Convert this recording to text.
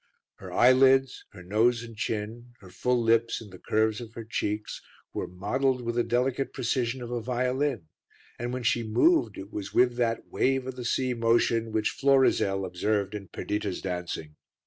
Her eyelids, her nose and chin, her full lips and the curves of her cheeks were modelled with the delicate precision of a violin, and when she moved it was with that wave o' the sea motion which Florizel observed in Perdita's dancing.